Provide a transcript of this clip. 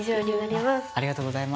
ありがとうございます。